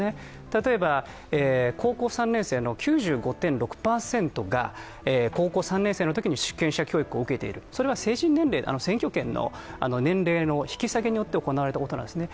例えば高校３年生の９６．６％が高校３年生のときに主権者教育を受けている、それは選挙権の年齢の引き下げによって行われたものなんですね。